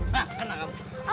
hah anak lemhope